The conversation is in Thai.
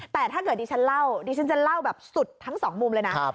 แต่ถ้าเกิดดิฉันเล่าดิฉันจะเล่าแบบสุดทั้งสองมุมเลยนะ